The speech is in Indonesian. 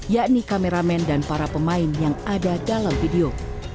yakni kameramen dan para pemain yang ada dalam video